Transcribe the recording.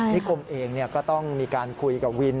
คมเองก็ต้องมีการคุยกับวิน